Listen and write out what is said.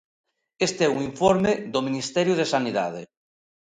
Este é un informe do Ministerio de Sanidade.